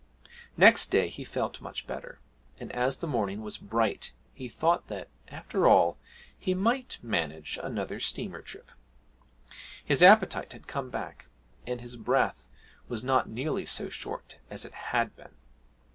Next day he felt much better, and as the morning was bright he thought that, after all, he might manage another steamer trip; his appetite had come back, and his breath was not nearly so short as it had been.